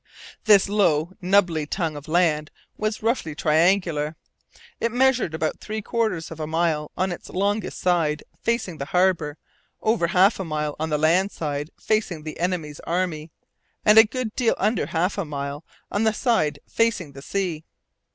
This low, nubbly tongue of land was roughly triangular. It measured about three quarters of a mile on its longest side, facing the harbour, over half a mile on the land side, facing the enemy's army, and a good deal under half a mile on the side facing the sea.